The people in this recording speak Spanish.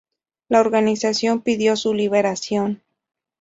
La organización pidió su liberación.